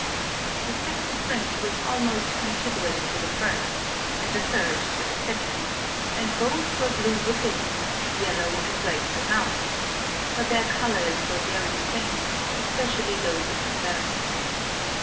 The second Fringe was almost contiguous to the first, and the third to the second, and both were blue within, and yellow and red without, but their Colours were very faint, especially those of the third.